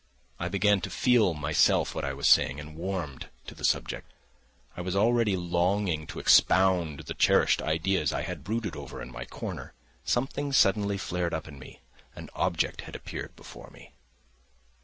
I began to feel myself what I was saying and warmed to the subject. I was already longing to expound the cherished ideas I had brooded over in my corner. Something suddenly flared up in me. An object had appeared before me.